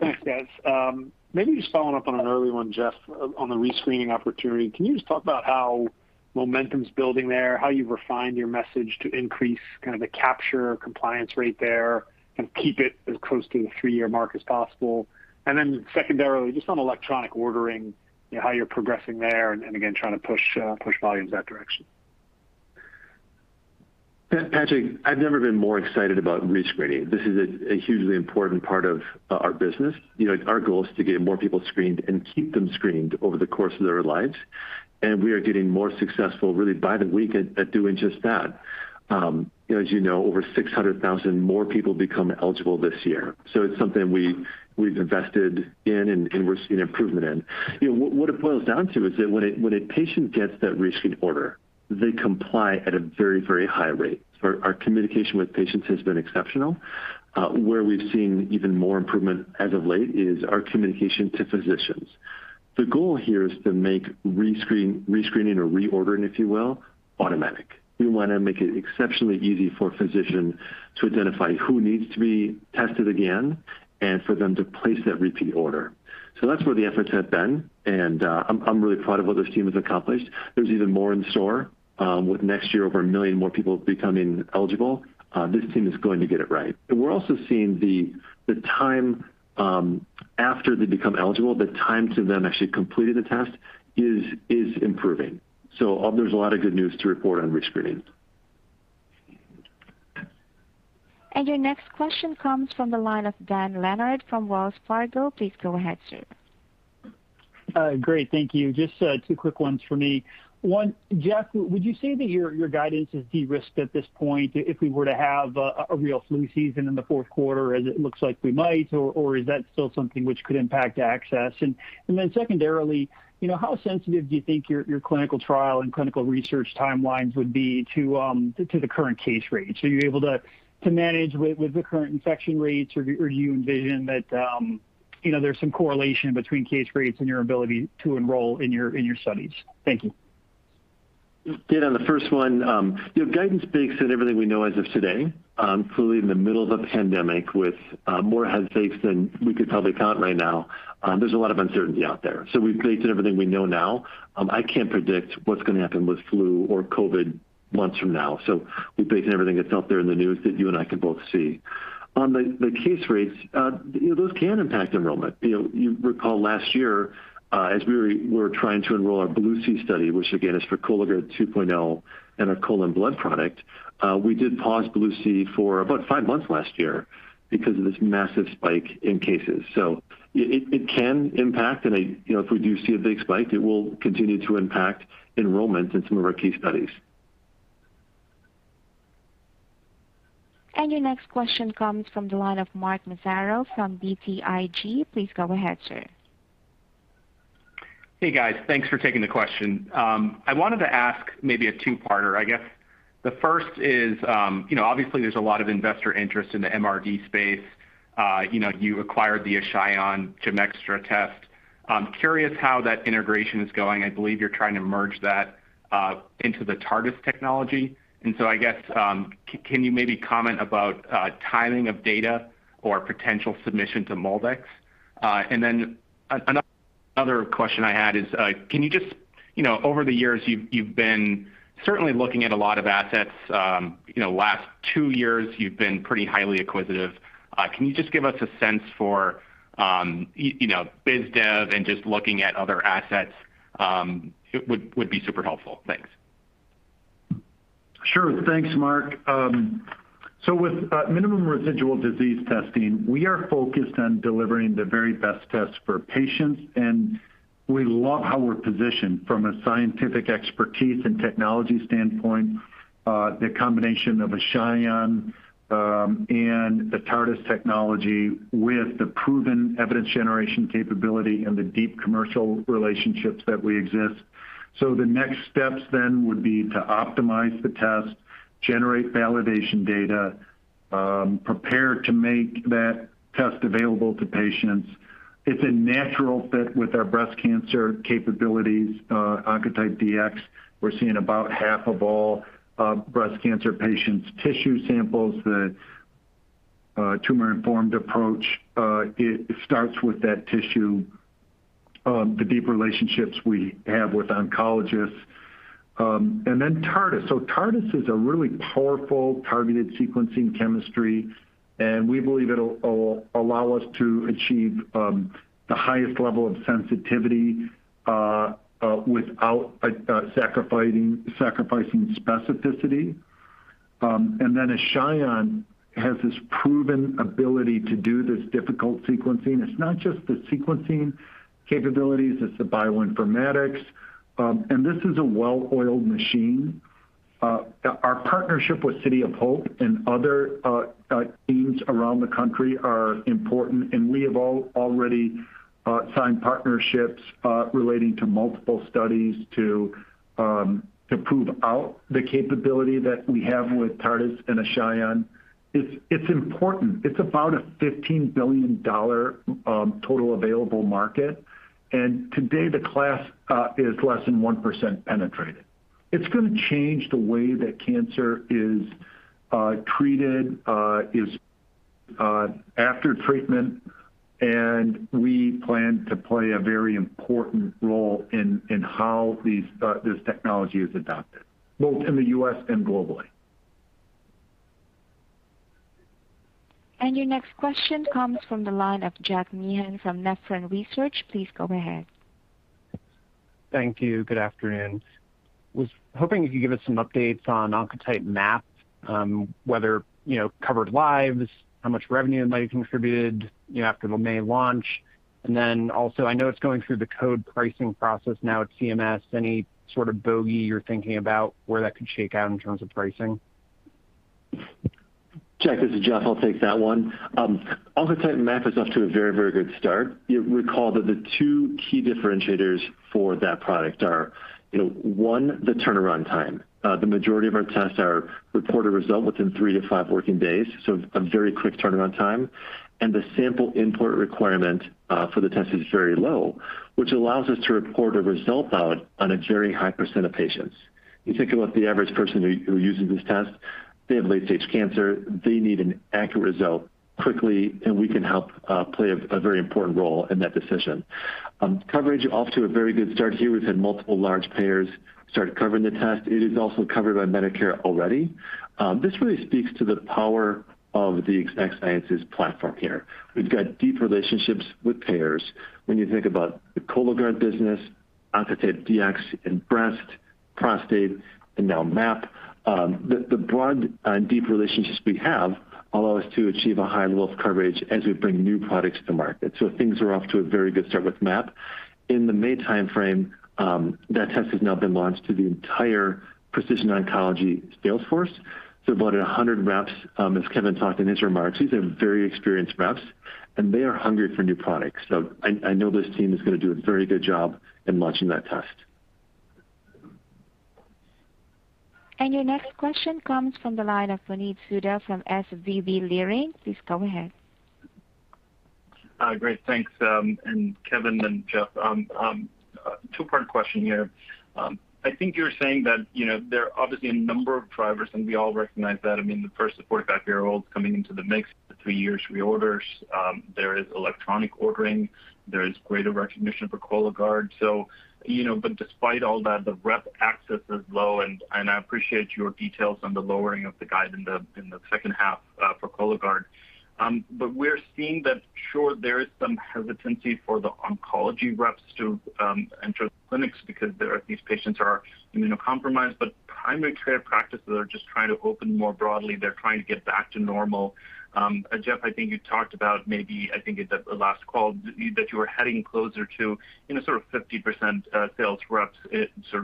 Thanks, guys. Maybe just following up on an early one, Jeff, on the rescreening opportunity. Can you just talk about how momentum's building there, how you've refined your message to increase the capture compliance rate there and keep it as close to the 3-year mark as possible? Secondarily, just on electronic ordering, how you're progressing there and, again, trying to push volume in that direction. Patrick, I've never been more excited about rescreening. This is a hugely important part of our business. Our goal is to get more people screened and keep them screened over the course of their lives. We are getting more successful really by the week at doing just that. As you know, over 600,000 more people become eligible this year. It's something we've invested in and we're seeing improvement in. What it boils down to is that when a patient gets that rescreen order, they comply at a very high rate. Our communication with patients has been exceptional. Where we've seen even more improvement as of late is our communication to physicians. The goal here is to make rescreening or reordering, if you will, automatic. We want to make it exceptionally easy for a physician to identify who needs to be tested again and for them to place that repeat order. That's where the efforts have been, and I'm really proud of what this team has accomplished. There's even more in store. With next year over 1 million more people becoming eligible, this team is going to get it right. We're also seeing the time after they become eligible, the time to them actually completing the test is improving. There's a lot of good news to report on rescreening. Your next question comes from the line of Dan Leonard from Wells Fargo. Please go ahead, sir. Great. Thank you. Just two quick ones for me. One, Jeff, would you say that your guidance is de-risked at this point if we were to have a real flu season in the fourth quarter, as it looks like we might? Is that still something which could impact access? Secondarily, how sensitive do you think your clinical trial and clinical research timelines would be to the current case rates? Are you able to manage with the current infection rates, or do you envision that there's some correlation between case rates and your ability to enroll in your studies? Thank you. Dan, on the first one, the guidance bakes in everything we know as of today. In the middle of a pandemic with more head fakes than we could probably count right now, there's a lot of uncertainty out there. We've baked in everything we know now. I can't predict what's going to happen with flu or COVID months from now. We've baked in everything that's out there in the news that you and I can both see. On the case rates, those can impact enrollment. You recall last year, as we were trying to enroll our BLUE-C study, which again, is for Cologuard Plus and our colon blood product. We did pause BLUE-C for about five months last year because of this massive spike in cases. It can impact, and if we do see a big spike, it will continue to impact enrollment in some of our key studies. Your next question comes from the line of Mark Massaro from BTIG. Please go ahead, sir. Hey, guys. Thanks for taking the question. I wanted to ask maybe a 2-parter, I guess. The first is, obviously, there's a lot of investor interest in the MRD space. You acquired the Ashion GEM ExTra test. I'm curious how that integration is going. I believe you're trying to merge that into the TARDIS technology. I guess, can you maybe comment about timing of data or potential submission to MolDX? Another question I had is, over the years, you've been certainly looking at a lot of assets. Last 2 years, you've been pretty highly acquisitive. Can you just give us a sense for biz dev and just looking at other assets would be super helpful. Thanks. Sure. Thanks, Mark. With minimum residual disease testing, we are focused on delivering the very best tests for patients, and we love how we're positioned from a scientific expertise and technology standpoint. The combination of Ashion and the TARDIS technology with the proven evidence generation capability and the deep commercial relationships that we exist. The next steps would be to optimize the test, generate validation data, prepare to make that test available to patients. It's a natural fit with our breast cancer capabilities, Oncotype DX. We're seeing about half of all breast cancer patients' tissue samples, the tumor-informed approach. It starts with that tissue, the deep relationships we have with oncologists. Tardis is a really powerful targeted sequencing chemistry, and we believe it'll allow us to achieve the highest level of sensitivity without sacrificing specificity. Ashion has this proven ability to do this difficult sequencing. It's not just the sequencing capabilities, it's the bioinformatics. This is a well-oiled machine. Our partnership with City of Hope and other teams around the country are important, and we have already signed partnerships relating to multiple studies to prove out the capability that we have with TARDIS and Ashion. It's important. It's about a $15 billion total available market. Today, the class is less than 1% penetrated. It's going to change the way that cancer is treated, after treatment, and we plan to play a very important role in how this technology is adopted, both in the U.S. and globally. Your next question comes from the line of Jack Meehan from Nephron Research. Please go ahead. Thank you. Good afternoon. Was hoping you could give us some updates on Oncotype MAP, whether covered lives, how much revenue it might have contributed after the May launch. Also, I know it's going through the code pricing process now at CMS. Any sort of bogey you're thinking about where that could shake out in terms of pricing? Jack, this is Jeff. I'll take that one. Oncotype MAP is off to a very, very good start. You recall that the two key differentiators for that product are, one, the turnaround time. The majority of our tests are reported result within 3-5 working days, so a very quick turnaround time. The sample input requirement for the test is very low, which allows us to report a result out on a very high percent of patients. You think about the average person who uses this test, they have late-stage cancer. They need an accurate result quickly, and we can help play a very important role in that decision. Coverage, off to a very good start here. We've had multiple large payers start covering the test. It is also covered by Medicare already. This really speaks to the power of the Exact Sciences platform here. We've got deep relationships with payers. When you think about the Cologuard business, Oncotype DX in breast, prostate, and now MAP. The broad and deep relationships we have allow us to achieve a high level of coverage as we bring new products to market. Things are off to a very good start with MAP. In the May timeframe, that test has now been launched to the entire Precision Oncology sales force. About 100 reps, as Kevin talked in his remarks. These are very experienced reps, and they are hungry for new products. I know this team is going to do a very good job in launching that test. Your next question comes from the line of Puneet Souda from SVB Leerink. Please go ahead. Great, thanks. Kevin and Jeff, 2-part question here. I think you're saying that there are obviously a number of drivers, and we all recognize that. I mean, the first of 45-year-olds coming into the mix, the 3-year reorders. There is electronic ordering. There is greater recognition for Cologuard. Despite all that, the rep access is low, and I appreciate your details on the lowering of the guide in the second half for Cologuard. We're seeing that sure, there is some hesitancy for the oncology reps to enter the clinics because these patients are immunocompromised, but primary care practices are just trying to open more broadly. They're trying to get back to normal. Jeff, you talked about maybe, I think at the last call, that you were heading closer to 50% sales reps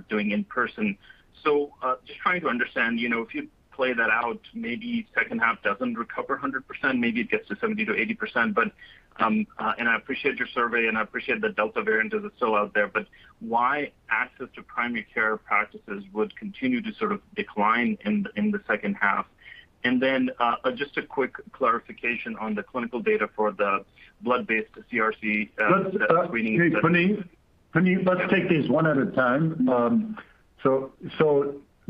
doing in person. Just trying to understand, if you play that out, maybe second half doesn't recover 100%, maybe it gets to 70%-80%. I appreciate your survey, and I appreciate the Delta variant is still out there. Why access to primary care practices would continue to sort of decline in the second half? Just a quick clarification on the clinical data for the blood-based CRC screening. Puneet, let's take these one at a time. To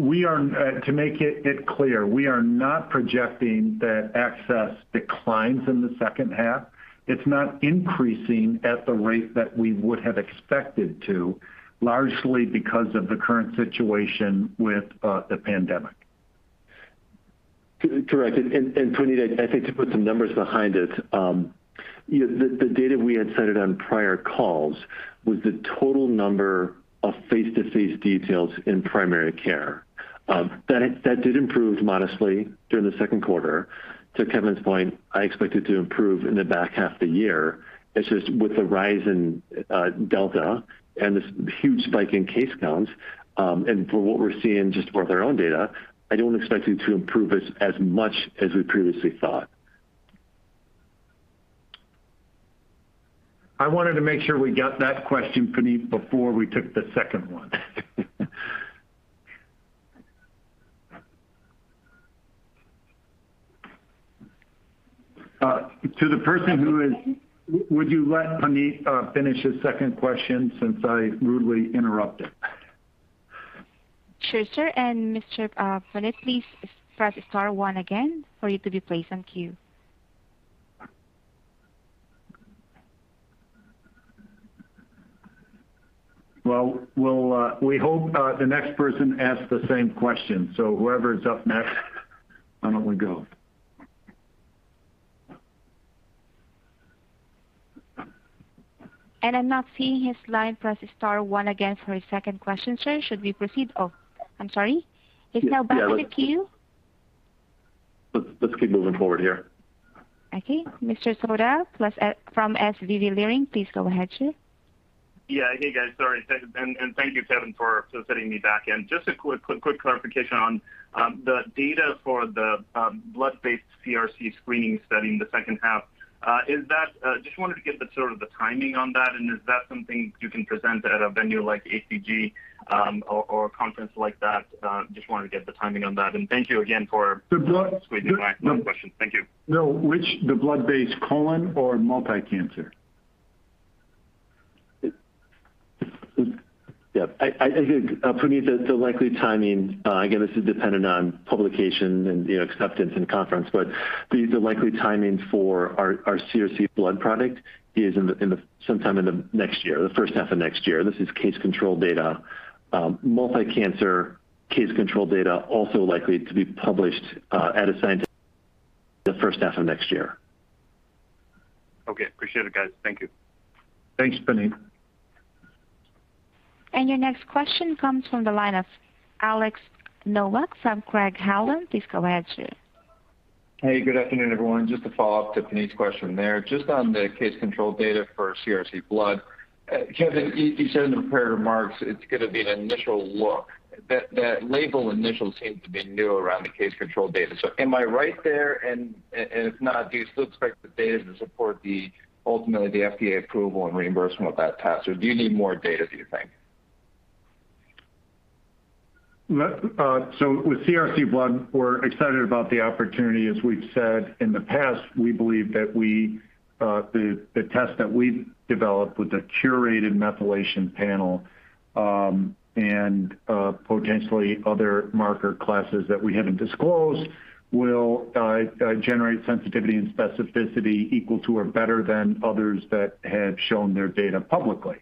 make it clear, we are not projecting that access declines in the second half. It's not increasing at the rate that we would have expected to, largely because of the current situation with the pandemic. Correct. Puneet, I think to put some numbers behind it. The data we had cited on prior calls was the total number of face-to-face details in primary care. That did improve modestly during the 2nd quarter. To Kevin's point, I expect it to improve in the back half of the year. It's just with the rise in Delta and this huge spike in case counts, and from what we're seeing just with our own data, I don't expect it to improve as much as we previously thought. I wanted to make sure we got that question, Puneet, before we took the second one. Would you let Puneet finish his second question since I rudely interrupted? Sure, sir. Mr. Puneet, please press star one again for you to be placed on queue. Well, we hope the next person asks the same question. Whoever's up next, why don't we go? I'm not seeing his line. Press star one again for his second question, sir. Should we proceed? Oh, I'm sorry. He's now back in the queue. Let's keep moving forward here. Okay. Mr. Souda from SVB Leerink, please go ahead, sir. Yeah. Hey, guys, sorry. Thank you, Kevin, for fitting me back in. Just a quick clarification on the data for the blood-based CRC screening study in the second half. Just wanted to get the sort of the timing on that, and is that something you can present at a venue like AGA or a conference like that? Just wanted to get the timing on that. Thank you again for- The blood- squeezing in my question. Thank you. No. Which, the blood-based colon or multi-cancer? Yeah. I think, Puneet, the likely timing, again, this is dependent on publication and acceptance in conference. But the likely timing for our CRC blood product is sometime in the next year, the first half of next year. This is case control data. Multi-cancer case control data, also likely to be published at a scientific the first half of next year. Okay. Appreciate it, guys. Thank you. Thanks, Puneet. Your next question comes from the line of Alex Novak from Craig-Hallum. Please go ahead, sir. Hey, good afternoon, everyone. Just to follow up to Puneet's question there. Just on the case control data for CRC blood. Kevin, you said in the prepared remarks it's going to be an initial look. That label initial seems to be new around the case control data. Am I right there? If not, do you still expect the data to support ultimately the FDA approval and reimbursement of that test, or do you need more data, do you think? With CRC blood, we're excited about the opportunity. As we've said in the past, we believe that the test that we've developed with a curated methylation panel, and potentially other marker classes that we haven't disclosed, will generate sensitivity and specificity equal to or better than others that have shown their data publicly.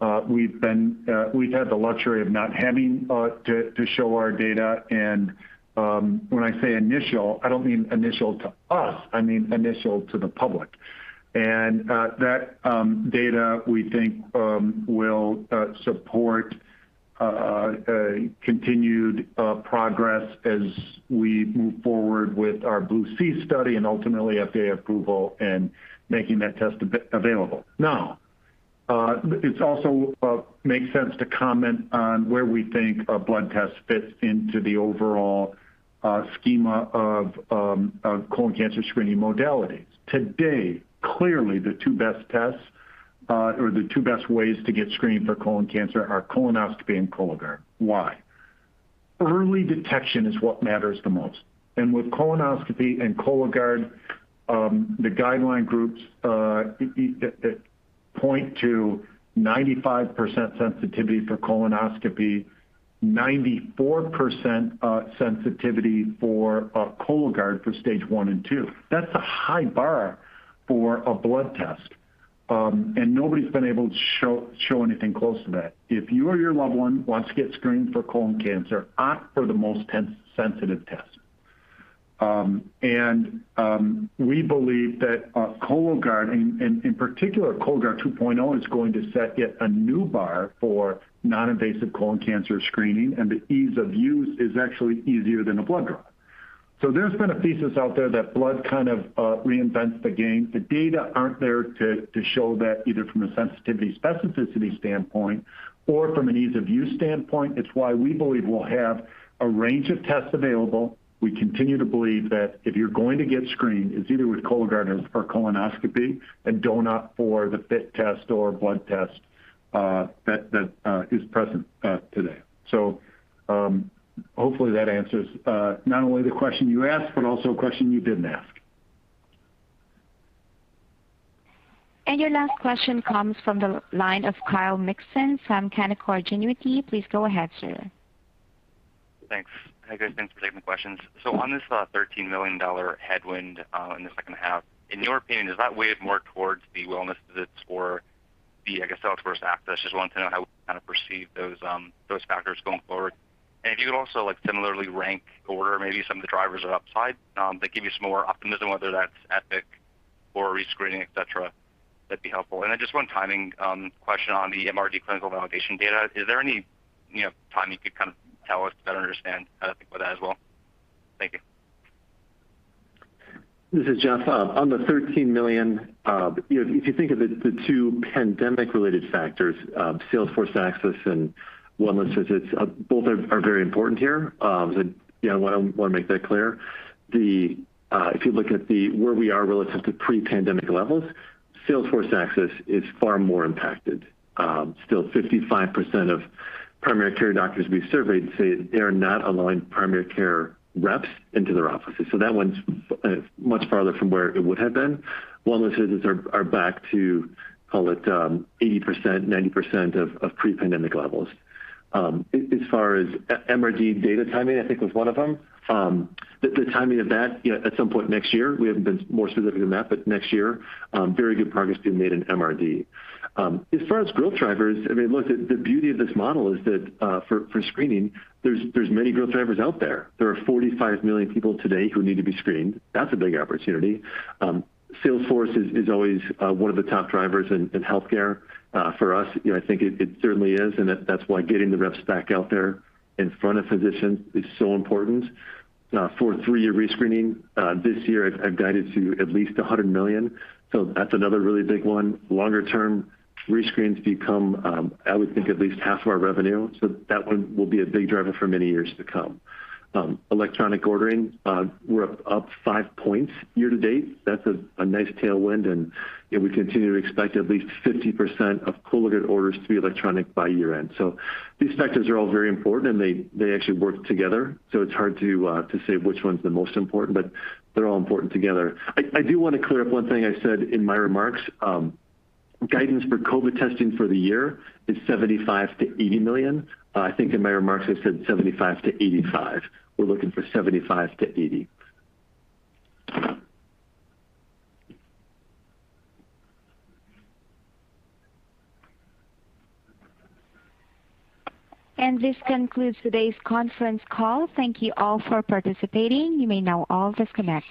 We've had the luxury of not having to show our data, and when I say initial, I don't mean initial to us, I mean initial to the public. And that data we think will support a continued progress as we move forward with our BLUE-C study and ultimately FDA approval and making that test available. It also makes sense to comment on where we think a blood test fits into the overall schema of colon cancer screening modalities. Today, clearly the 2 best tests or the 2 best ways to get screened for colon cancer are colonoscopy and Cologuard. Why? Early detection is what matters the most. With colonoscopy and Cologuard, the guideline groups point to 95% sensitivity for colonoscopy, 94% sensitivity for Cologuard for stage 1 and 2. That's a high bar for a blood test. Nobody's been able to show anything close to that. If you or your loved one wants to get screened for colon cancer, opt for the most sensitive test. We believe that Cologuard, and in particular Cologuard Plus, is going to set yet a new bar for non-invasive colon cancer screening, and the ease of use is actually easier than a blood draw. There's been a thesis out there that blood kind of reinvents the game. The data aren't there to show that either from a sensitivity specificity standpoint or from an ease of use standpoint. It's why we believe we'll have a range of tests available. We continue to believe that if you're going to get screened, it's either with Cologuard or colonoscopy and do not for the FIT test or blood test that is present today. Hopefully that answers not only the question you asked, but also a question you didn't ask. Your last question comes from the line of Kyle Mikson from Canaccord Genuity. Please go ahead, sir. Thanks. Hey, guys. Thanks for taking the questions. On this $13 million headwind in the second half, in your opinion, does that weigh it more towards the wellness visits or the, I guess, Salesforce access? Just wanting to know how you perceive those factors going forward. If you could also similarly rank order maybe some of the drivers of upside that give you some more optimism, whether that's Epic or rescreening, et cetera, that'd be helpful. Just one timing question on the MRD clinical validation data. Is there any timing you could tell us to better understand how to think about that as well? Thank you. This is Jeff. On the $13 million, if you think of it, the two pandemic related factors, Salesforce access and wellness visits, both are very important here. I want to make that clear. If you look at where we are relative to pre-pandemic levels, Salesforce access is far more impacted. Still 55% of primary care doctors we surveyed say that they are not allowing primary care reps into their offices. That one's much farther from where it would have been. Wellness visits are back to, call it 80%, 90% of pre-pandemic levels. As far as MRD data timing, I think was one of them. The timing of that, at some point next year, we haven't been more specific than that. Next year very good progress being made in MRD. As far as growth drivers, look, the beauty of this model is that for screening, there's many growth drivers out there. There are 45 million people today who need to be screened. Salesforce is always one of the top drivers in healthcare. For us, I think it certainly is, and that's why getting the reps back out there in front of physicians is so important. For three-year rescreening, this year I've guided to at least $100 million. That's another really big one. Longer term, rescreens become I would think at least half of our revenue. That one will be a big driver for many years to come. Electronic ordering, we're up five points year to date. That's a nice tailwind, and we continue to expect at least 50% of Cologuard orders to be electronic by year end. These factors are all very important, and they actually work together. It's hard to say which one's the most important, but they're all important together. I do want to clear up one thing I said in my remarks. Guidance for COVID testing for the year is $75 million-$80 million. I think in my remarks I said $75 million-$85 million. We're looking for $75 million-$80 million. This concludes today's conference call. Thank you all for participating. You may now all disconnect.